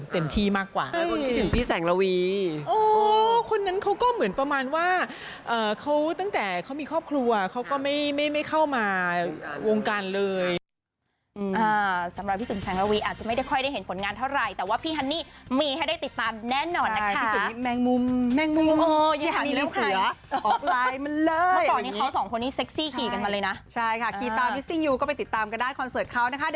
เขาตั้งแต่เขามีครอบครัวเขาก็ไม่ไม่ไม่เข้ามาวงการเลยอ่าสำหรับพี่จุ๋นแซงวีอาจจะไม่ได้ค่อยได้เห็นผลงานเท่าไรแต่ว่าพี่ฮันนี่มีให้ได้ติดตามแน่นอนนะคะใช่พี่จุ๋นนี้แมงมุมแมงมุมพี่ฮันนี่มีเสือออกไลน์มันเลยเมื่อก่อนนี้เขาสองคนนี้เซ็กซี่กี่กันมาเลยนะใช่ค่ะคีย์ตามก็ไปติดตามกันได้คอนเสิร์